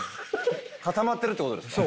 固まってるってことですか？